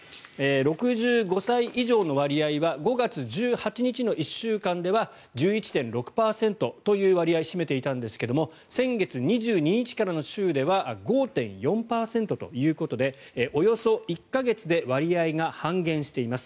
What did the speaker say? ６５歳以上の割合は５月１８日の１週間では１１．６％という割合を占めていたんですが先月２２日からの週では５．４％ということでおよそ１か月で割合が半減しています。